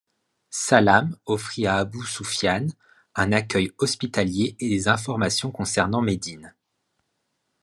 Salam offrit à Abu Sufyan un accueil hospitalier et des informations concernant Médine.